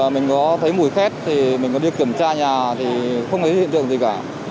mình có thấy mùi khét mình có đi kiểm tra nhà không thấy hiện trường gì cả